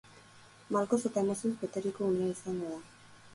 Malkoz eta emozioz beteriko unea izango da.